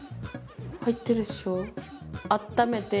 入ってるでしょ。